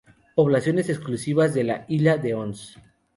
Poblaciones exclusivas de la Illa de Ons.